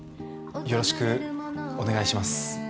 よろしくお願いします。